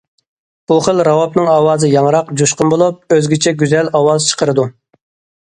بۇ خىل راۋابنىڭ ئاۋازى ياڭراق، جۇشقۇن بولۇپ، ئۆزگىچە گۈزەل ئاۋاز چىقىرىدۇ.